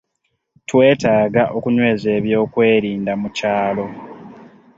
Twetaaga okunyweza ebyokwerinda mu kyalo.